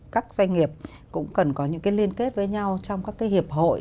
các doanh nghiệp cũng cần có những cái liên kết với nhau trong các cái hiệp hội